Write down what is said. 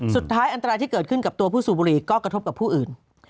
สุดท้ายอันตรายที่เกิดขึ้นกับตัวผู้สูบบุหรี่ก็กระทบกับผู้อื่น